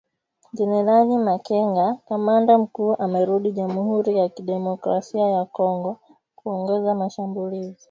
Generali Makenga, kamanda mkuu amerudi Jamhuri ya kidemokrasia ya Kongo kuongoza mashambulizi.